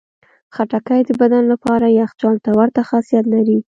خټکی د بدن لپاره یخچال ته ورته خاصیت لري.